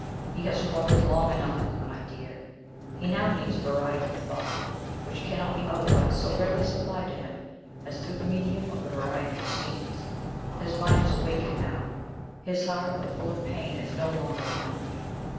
He has struggled long enough with one idea. He now needs a variety of thought, which cannot be otherwise so readily supplied to him, as through the medium of a variety of scenes. His mind is awakened, now; his heart, though full of pain, is no longer benumbed.